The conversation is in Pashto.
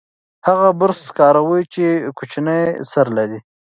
هغه برس کاروي چې کوچنی سر لري.